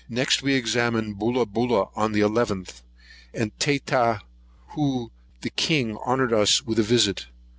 We examined Bolobola on the 11th; and Tatahu, the king, honoured us with a visit.